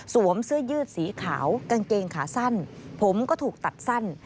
เสื้อยืดสีขาวกางเกงขาสั้นผมก็ถูกตัดสั้น